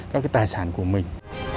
các tài sản của mình